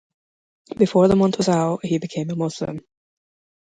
Before the month was out he became a Muslim.